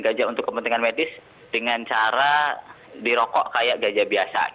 gajah untuk kepentingan medis dengan cara dirokok kayak gajah biasa